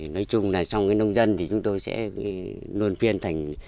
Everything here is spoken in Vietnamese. nói chung là trong cái nông dân thì chúng tôi sẽ luôn phiên thành